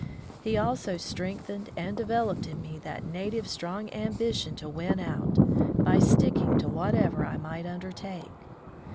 He also strengthened and developed in me that native strong ambition to win out, by stick ing to whatever I might undertake.